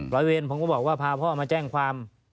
ร้อยเวรผมก็บอกว่าพาพ่อมาแจ้งความ